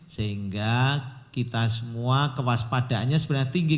sehingga kita semua kewaspadaannya sebenarnya tinggi